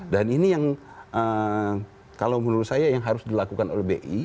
dan ini yang kalau menurut saya yang harus dilakukan oleh bi